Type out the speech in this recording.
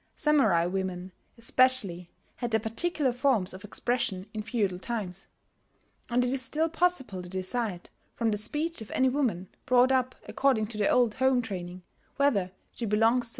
Samurai women especially had their particular forms of expression in feudal times; and it is still possible to decide, from the speech of any woman brought up according to the old home training, whether she belongs to a Samurai family.